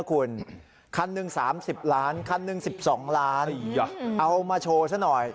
คุณคันหนึ่ง๓๐ล้านคันหนึ่ง๑๒ล้านเอามาโชว์ซะหน่อย